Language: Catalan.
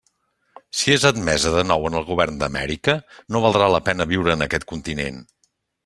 Si és admesa de nou en el govern d'Amèrica, no valdrà la pena viure en aquest continent.